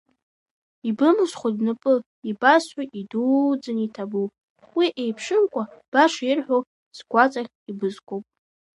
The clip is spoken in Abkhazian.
Ибымысхуеит бнапы, ибасҳәоит идуӡӡаны иҭабуп, уи еиԥшымкәа баша ирҳәо сгәаҵахьтә ибызкуп!